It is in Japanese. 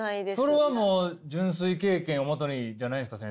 それはもう純粋経験を基にじゃないんですか？